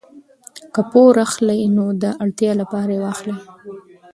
که پور اخلئ نو د اړتیا لپاره یې واخلئ.